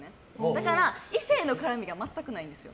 だから異性の絡みが全くないんです。